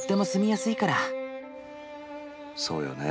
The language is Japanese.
そうよね